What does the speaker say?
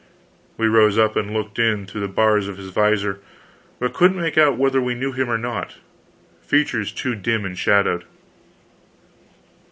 We rose up and looked in through the bars of his visor, but couldn't make out whether we knew him or not features too dim and shadowed.